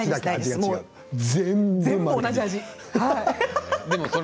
全部同じ味。